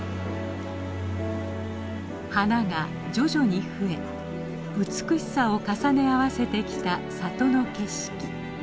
花が徐々に増え美しさを重ね合わせてきた里の景色。